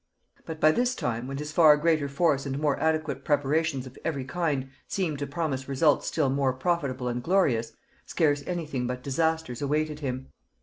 But this time, when his far greater force and more adequate preparations of every kind seemed to promise results still more profitable and glorious, scarce any thing but disasters awaited him.